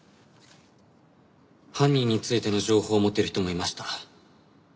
犯人についての情報を持ってる人もいました。